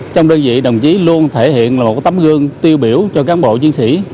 trong đơn vị đồng chí luôn thể hiện một tấm gương tiêu biểu cho cán bộ chiến sĩ